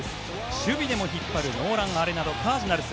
守備でも引っ張るノーラン・アレナドカージナルス。